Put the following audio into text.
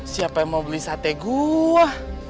siapa yang mau beli sate gue